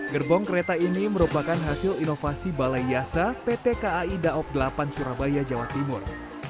gerbong kereta ini merupakan hasil inovasi balai yasa pt kai daob delapan surabaya jawa timur